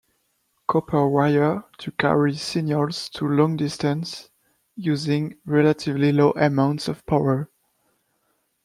Copper wire to carry signals to long distances using relatively low amounts of power.